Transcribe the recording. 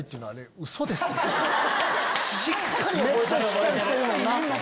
めっちゃしっかりしてるもんな。